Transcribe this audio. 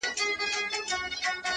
کيسې د پروني ماښام د جنگ در اچوم”